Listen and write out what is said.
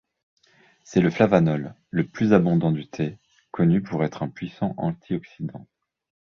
C'est le flavanol le plus abondant du thé, connu pour être un puissant antioxydant.